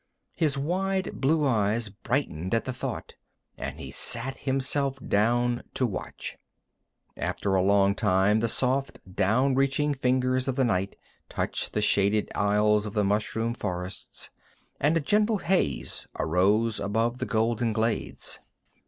His wide blue eyes brightened at the thought, and he sat himself down to watch. After a long time the soft, down reaching fingers of the night touched the shaded aisles of the mushroom forests, and a gentle haze arose above the golden glades.